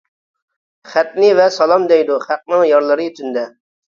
خەتنى ۋە سالام دەيدۇ، خەقنىڭ يارلىرى تۈندە.